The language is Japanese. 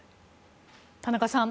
田中さん